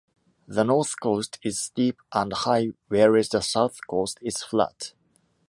The north coast is steep and high whereas the south coast is flat.